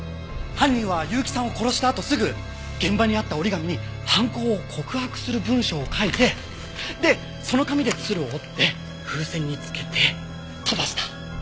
犯人は結城さんを殺したあとすぐ現場にあった折り紙に犯行を告白する文章を書いてでその紙で鶴を折って風船につけて飛ばした。